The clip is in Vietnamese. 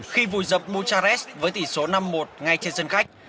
khi vùi dập montarest với tỷ số năm một ngay trên sân khách